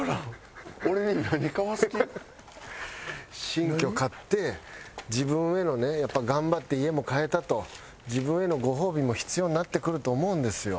新居買って自分へのねやっぱ頑張って家も買えたと自分へのご褒美も必要になってくると思うんですよ。